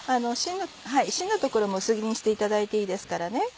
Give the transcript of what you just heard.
芯の所も薄切りにしていただいていいですからね。